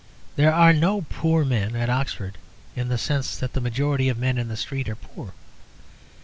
There are no poor men at Oxford in the sense that the majority of men in the street are poor.